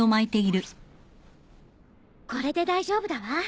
これで大丈夫だわ。